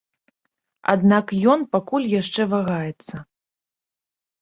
Аднак ён пакуль яшчэ вагаецца.